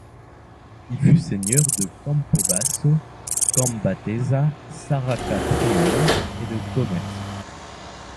Il fut Seigneur de Campobasso, Gambatesa, Serracapriola et de Commercy.